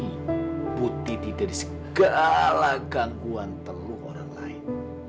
dan memastikan putiti dari segala gangguan teluk orang lain